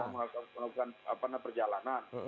mau melakukan perjalanan